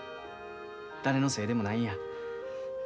誰のせいでもないんや。